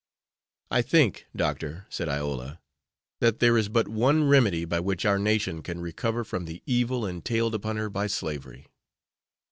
"I think, Doctor," said Iola, "that there is but one remedy by which our nation can recover from the evil entailed upon her by slavery."